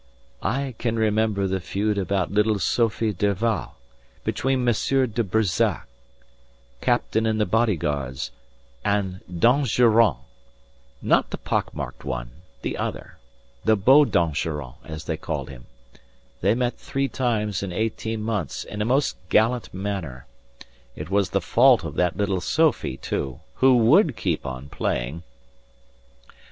"I can remember the feud about little Sophie Derval between Monsieur de Brissac, captain in the Bodyguards and d'Anjorrant. Not the pockmarked one. The other. The Beau d'Anjorrant as they called him. They met three times in eighteen months in a most gallant manner. It was the fault of that little Sophie, too, who would keep on playing..."